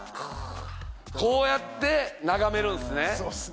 こうやって眺めるんすね。